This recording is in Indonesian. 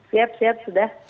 siap siap sudah